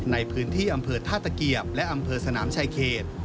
ในพื้นที่อำเภอท่าตะเกียบและอำเภอสนามชายเขต